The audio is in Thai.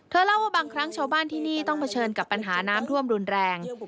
เล่าว่าบางครั้งชาวบ้านที่นี่ต้องเผชิญกับปัญหาน้ำท่วมรุนแรง